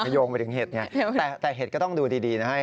โยงไปถึงเห็ดเนี่ยแต่เห็ดก็ต้องดูดีนะครับ